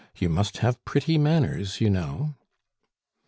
You must have pretty manners, you know."